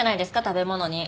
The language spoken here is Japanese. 食べ物に。